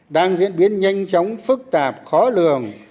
đang diễn biến nhanh chóng phức tạp khó lường